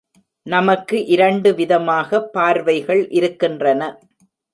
நமக்கு இரண்டு விதமாக பார்வைகள் இருக்கின்றன.